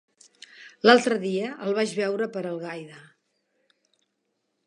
L'altre dia el vaig veure per Algaida.